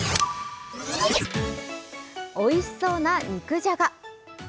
おいしそうな肉じゃが。